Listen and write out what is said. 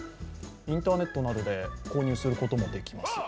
インターネットなどで購入することもできます。